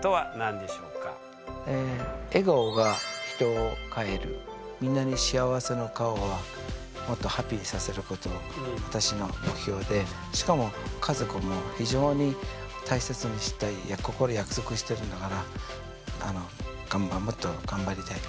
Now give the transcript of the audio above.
私は結構みんなに幸せの顔はもっとハッピーにさせること私の目標でしかも家族も非常に大切にしたい心約束してるんだからもっとがんばりたい。